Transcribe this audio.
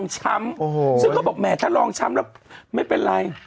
ใช่คุณออนรุทีน